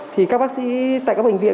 thì các bác sĩ tại các bệnh viện